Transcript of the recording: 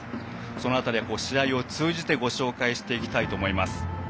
その辺りで試合を通じてご紹介していきたいと思います。